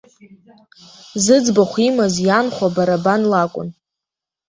Зыӡбахә имаз ианхәа, бара бан лакәын.